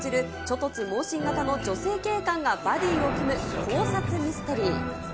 突猛進型の女性警官がバディーを組む考察ミステリー。